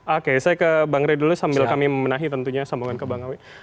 oke saya ke bang ray dulu sambil kami memenahi tentunya sambungan ke bang awi